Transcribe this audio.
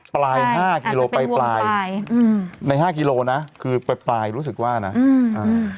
ปลายห้ากิโลปลายปลายอืมในห้ากิโลนะคือปลายปลายรู้สึกว่านะอืมอ่า